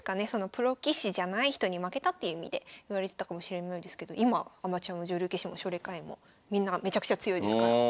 プロ棋士じゃない人に負けたっていう意味で言われてたかもしれないですけど今アマチュアも女流棋士も奨励会員もみんなめちゃくちゃ強いですから。